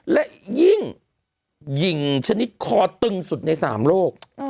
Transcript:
และยิ่งหญิงชนิดคอตึงสุดใน๓โลก